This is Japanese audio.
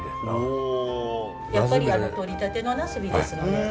やっぱりとりたてのナスビですので。